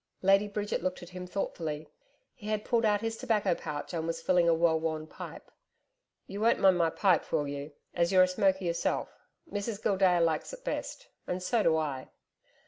Lady Bridget looked at him thoughtfully. He had pulled out his tobacco pouch and was filling a well worn pipe. 'You won't mind my pipe, will you as you're a smoker yourself. Mrs Gildea likes it best And so do I.'